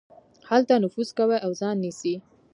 هلته نفوذ کوي او ځای نيسي.